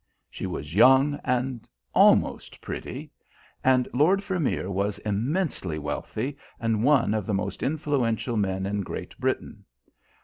She was young and almost pretty, and Lord Vermeer was immensely wealthy and one of the most influential men in Great Britain.